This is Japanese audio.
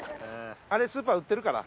れスーパー売ってるから。